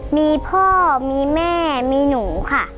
มีพ่อมีแม่มีหนูค่ะ